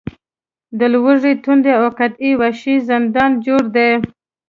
د لوږې، تندې او قحطۍ وحشي زندان جوړ دی.